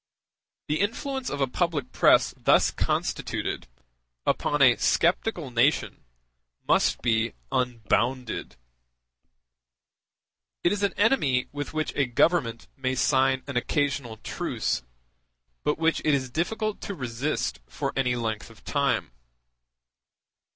The influence of a public press thus constituted, upon a sceptical nation, must be unbounded. It is an enemy with which a Government may sign an occasional truce, but which it is difficult to resist for any length of time.